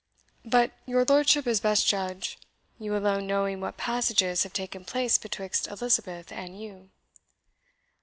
But your lordship is best judge, you alone knowing what passages have taken place betwixt Elizabeth and you."